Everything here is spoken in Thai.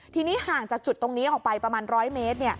ทีนี้ห่างจากจุดตรงนี้ออกไปประมาณ๑๐๐เมตร